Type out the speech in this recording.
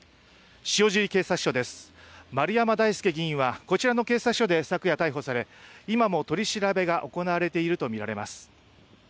丸山大輔議員は、こちらの警察署で昨夜、逮捕され今も取り調べが行われていると見られます。